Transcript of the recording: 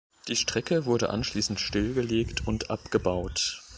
Die Strecke wurde anschließend stillgelegt und abgebaut.